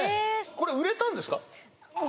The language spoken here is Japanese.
これ売れたんですか？